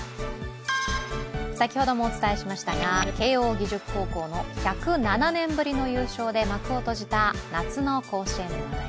先ほどもお伝えしましたが、慶応義塾高校の１０７年ぶりの優勝で幕を閉じた夏の甲子園です。